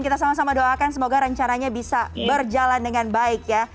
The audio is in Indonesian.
kita sama sama doakan semoga rencananya bisa berjalan dengan baik ya